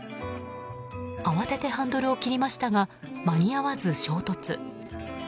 慌ててハンドルを切りましたが間に合わず、衝突。